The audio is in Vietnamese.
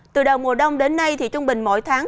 từ đầu mùa đông đến nay thì trung bình mỗi tháng